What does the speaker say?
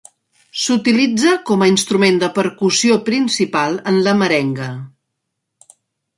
S'utilitza com a instrument de percussió principal en la merenga.